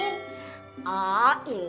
ini bau apa min